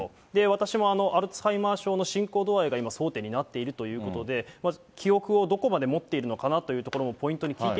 私もアルツハイマー症の進行度合いが今、争点になっているということで、記憶をどこまで持っているのかなというところもポイントに聞いて